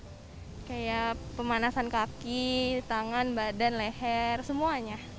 kayak pemanasan kaki tangan badan leher semuanya